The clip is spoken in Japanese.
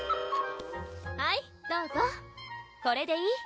はいどうぞこれでいい？